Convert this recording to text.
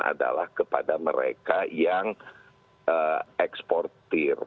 adalah kepada mereka yang eksportir